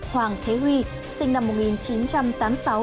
hoàng thế huy sinh năm một nghìn chín trăm tám mươi sáu